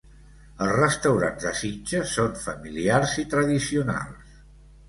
Els restaurants de Sitges són familiars i tradicionals.